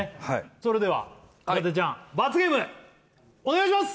それでは伊達ちゃん罰ゲームお願いします！